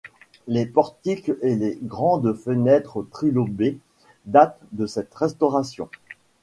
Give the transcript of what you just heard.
Les portiques et les grandes fenêtres trilobées datent de cette restauration.